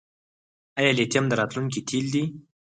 آیا لیتیم د راتلونکي تیل دي؟